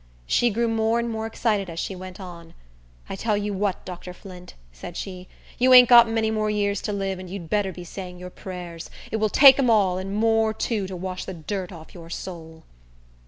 She grew more and more excited as she went on. "I tell you what, Dr. Flint," said she, "you ain't got many more years to live, and you'd better be saying your prayers. It will take 'em all, and more too, to wash the dirt off your soul."